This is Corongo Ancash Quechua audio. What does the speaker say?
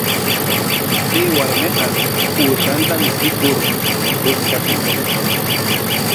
Chay warmiqa uushanta michikur puchkakun.